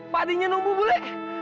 padinya numbuh bule